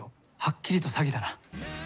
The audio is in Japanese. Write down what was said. はっきりと詐欺だな。